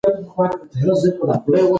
د ملکیار محبوب له ده څخه لرې و که نږدې؟